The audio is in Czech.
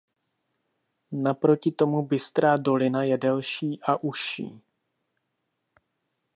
Naproti tomu Bystrá dolina je delší a užší.